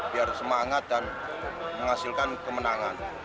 biar semangat dan menghasilkan kemenangan